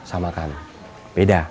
karena itu berbeda